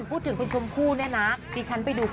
พูดถึงคุณชมพู่เนี่ยนะดิฉันไปดู